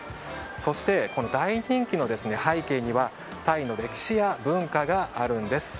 そして、大人気の背景にはタイの歴史や文化があるんです。